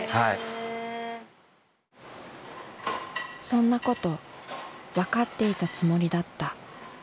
そんなことわかっていたつもりだった。